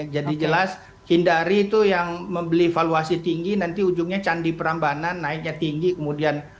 jadi jelas hindari tuh yang membeli valuasi tinggi nanti ujungnya candi perambanan naiknya tinggi kemudian